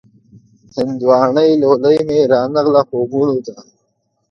هندواڼۍ لولۍ مې را نغله خوبو ته